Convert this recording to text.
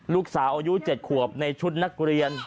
ลูกสาวอายุ๗ขวบในชุดนักเรียน